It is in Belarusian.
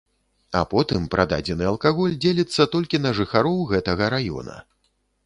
А потым прададзены алкаголь дзеліцца толькі на жыхароў гэтага раёна.